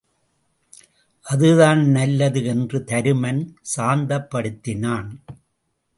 அது தான் நல்லது என்று தருமன் சாந்தப்படுத்தினான்.